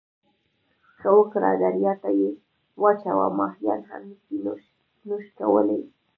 ښه وکړه درياب ته یې واچوه، ماهيان يې هم نسي نوش کولای.